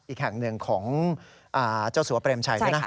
อีกแห่งหนึ่งของเจ้าสัวเปรมชัยด้วยนะ